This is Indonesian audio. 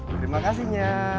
terima kasih nya